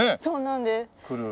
そうなんです。